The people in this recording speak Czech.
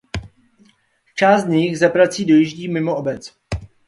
Část z nich za prací dojíždí mimo obec.